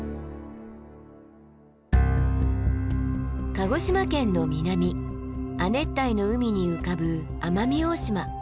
鹿児島県の南亜熱帯の海に浮かぶ奄美大島。